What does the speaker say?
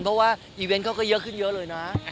เพราะว่าอีเวนต์เขาก็เยอะขึ้นเยอะเลยนะ